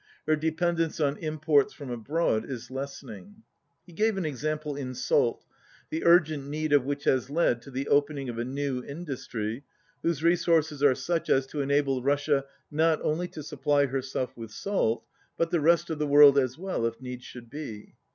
Her dependence on imports from abroad is lessen ing." He gave an example in salt, the urgent need of which has led to the opening of a new industry, whose resources are such as to enable Russia not only to supply herself with salt, but the rest of the world as well if need should be.